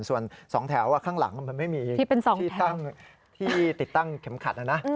ส่วน๒แถวข้างหลังมันไม่มีที่ติดตั้งเข็มขัดนะนะ